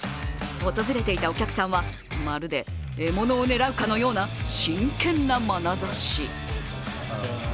訪れていたお客さんは、まるで獲物を狙うかのような真剣なまなざし。